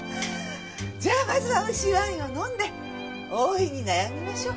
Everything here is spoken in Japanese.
じゃあまずは美味しいワインを飲んで大いに悩みましょう。